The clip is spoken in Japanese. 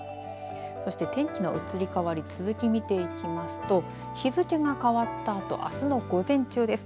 そして天気の移り変わり続き見ていきますと日付が変わったあとあすの午前中です。